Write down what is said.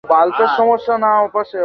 এদের লাশ এদের বাড়িতে পাঠিয়ে দাও।